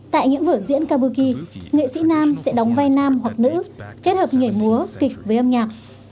tại những vở diễn kabuki nghệ sĩ nam sẽ đóng vai nam hoặc nữ kết hợp nhảy múa kịch với âm nhạc